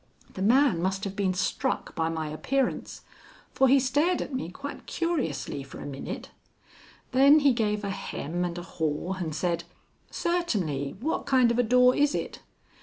The man must have been struck by my appearance, for he stared at me quite curiously for a minute. Then he gave a hem and a haw and said: "Certainly. What kind of a door is it?"